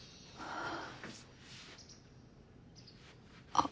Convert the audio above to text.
あっ